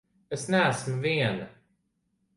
Es neesmu viena!